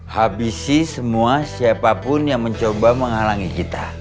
habisi semua siapapun yang mencoba menghalangi kita